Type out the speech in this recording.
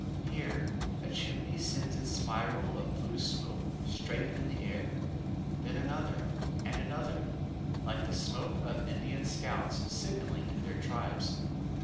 Here a chimney sends its spiral of blue smoke straight in air; then another, and another, like the smoke of Indian scouts signaling to their tribes.